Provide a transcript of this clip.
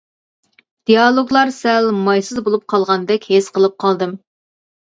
دىيالوگلار سەل «مايسىز» بولۇپ قالغاندەك ھېس قىلىپ قالدىم.